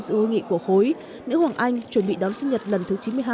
giữ ưu nghị của khối nữ hoàng anh chuẩn bị đón sinh nhật lần thứ chín mươi hai